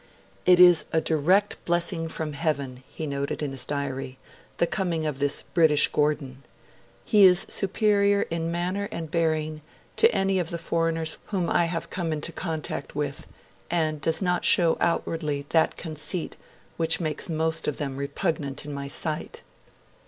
'It is a direct blessing from Heaven,' he noted in his diary, 'the coming of this British Gordon.... He is superior in manner and bearing to any of the foreigners whom I have come into contact with, and does not show outwardly that conceit which makes most of them repugnant in my sight.'